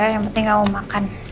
yang penting kamu makan